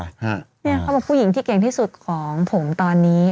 เนี่ยเขาเป็นผู้หญิงที่เก่งที่สุดของผมตอนนี้